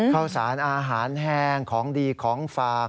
ข้าวสารอาหารแห้งของดีของฝาก